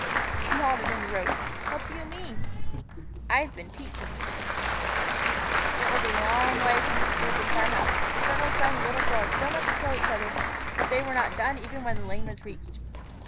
He halted in the road. "What do you mean?" "I've been teaching." IT was a long way from the school to the farm house, yet the colonel's son and the little girl had so much to tell each other that they were not done even when the lane was reached.